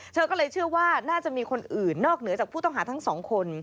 เธอก็เลยเชื่อว่าน่าจะมีคนอื่นนอกเหนือจากผู้ต้องหาทั้งสองคน